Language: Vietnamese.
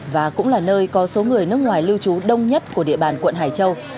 và cũng là nơi có số người nước ngoài lưu trú đông nhất của địa bàn quận hải châu